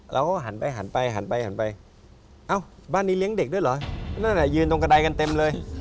เราก็หันไปหันไปหันไปหันไปเอ้าบ้านนี้เลี้ยงเด็กด้วยเหรอนั่นแหละยืนตรงกระดายกันเต็มเลย